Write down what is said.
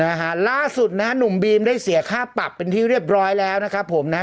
นะฮะล่าสุดนะฮะหนุ่มบีมได้เสียค่าปรับเป็นที่เรียบร้อยแล้วนะครับผมนะฮะ